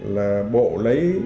là bộ lấy